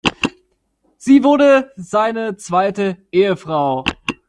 Sie wurde seine zweite Ehefrau.